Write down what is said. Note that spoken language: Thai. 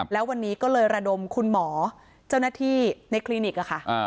แล้ววันนี้ก็เลยระดมคุณหมอเจ้าหน้าที่ในคลินิกค่ะ